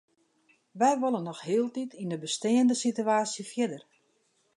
Wy wolle noch hieltyd yn de besteande sitewaasje fierder.